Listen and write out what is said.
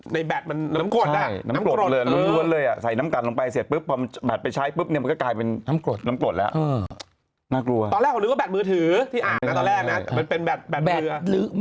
น่ากลัวว่าก็แบตมือถือที่อ่านอ่ะตอนแรกน่ะมันเป็นแบบมือ